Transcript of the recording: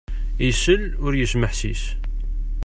Isell ur yesmeḥsis!